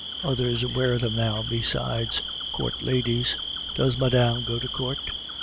Others wear them now besides court ladies. Does madame go to court?